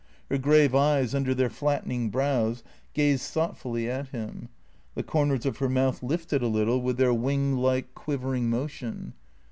Her grave eyes, under their flattening brows, gazed thought fully at him. The corners of her mouth lifted a little with their wing like, quivering motion.